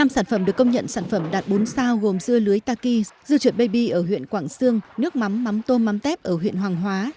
năm sản phẩm được công nhận sản phẩm đạt bốn sao gồm dưa lưới taki dưa chuột baby ở huyện quảng sương nước mắm mắm tôm mắm tép ở huyện hoàng hóa